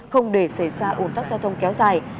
không để xảy ra ủn tắc giao thông kéo dài